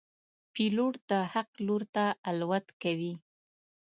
پیلوټ د حق لور ته الوت کوي.